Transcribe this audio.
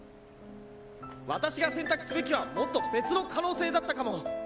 わたしが選択すべきはもっと別の可能性だったかも。